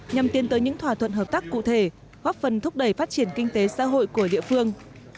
nhằm tiến tới những thỏa thuận hợp tác cụ thể góp phần thúc đẩy phát triển kinh tế xã hội của địa phương